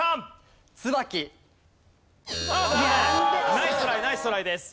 ナイストライナイストライです。